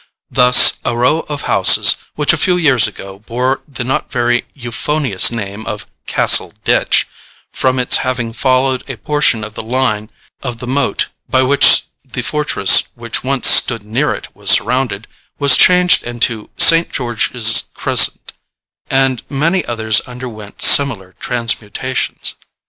Thus a row of houses, which a few years ago bore the not very euphonious name of Castle Ditch, from its having followed a portion of the line of the moat by which the fortress which once stood near it was surrounded, was changed into St George's Crescent, and many others underwent similar transmutations.